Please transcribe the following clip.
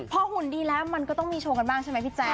พอหุ่นดีแล้วมันก็ต้องมีโชว์กันบ้างใช่ไหมพี่แจ๊